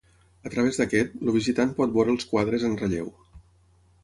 A través d’aquest, el visitant pot veure els quadres en relleu.